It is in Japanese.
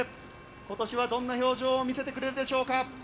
今年はどんな表情を見せてくれるでしょうか。